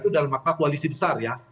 itu dalam maka koalisi besar ya